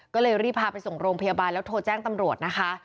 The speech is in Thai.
ก็เลยรีบพาไปส่งโรงพยาบาลแล้วโทรแจ้งตำรวจนะคะ